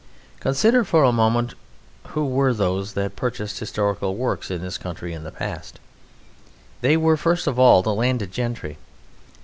Consider for a moment who were those that purchased historical works in this country in the past. There were, first of all, the landed gentry.